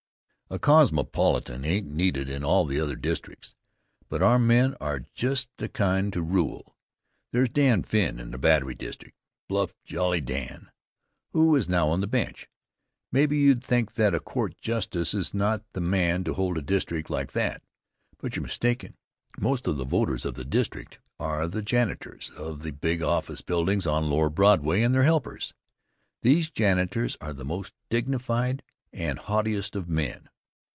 A cosmopolitan ain't needed in all the other districts, but our men are just the kind to rule. There's Dan Finn, in the Battery district, bluff, jolly Dan, who is now on the bench. Maybe you'd think that a court justice is not the man to hold a district like that, but you're mistaken. Most of the voters of the district are the janitors of the big office buildings on lower Broadway and their helpers. These janitors are the most dignified and haughtiest of men.